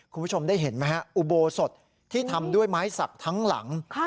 คุณผู้ชมได้เห็นไหมฮะอุโบสถที่ทำด้วยไม้สักทั้งหลัง